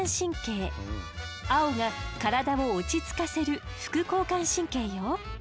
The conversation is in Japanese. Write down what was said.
青が体を落ち着かせる副交感神経よ。